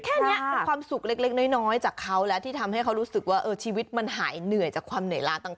แค่นี้เป็นความสุขเล็กน้อยจากเขาแล้วที่ทำให้เขารู้สึกว่าชีวิตมันหายเหนื่อยจากความเหนื่อยล้าต่าง